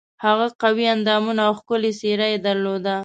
هغه قوي اندامونه او ښکلې څېره یې درلوده.